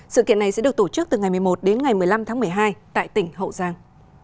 sự kiện này sẽ được tổ chức từ ngày một mươi một đến ngày một mươi năm tháng một mươi hai tại tỉnh hậu giang